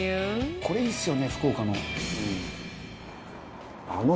「これいいですよね福岡の」